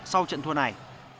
sau trận thua này